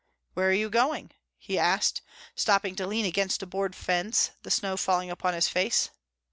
"Where are you going?" he asked, stopping to lean against a board fence, the snow falling upon his face.